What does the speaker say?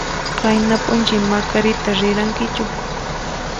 Qayna p'unchay Macarita rirankichu?